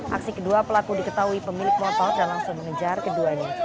aksi kedua pelaku diketahui pemilik motor dan langsung mengejar keduanya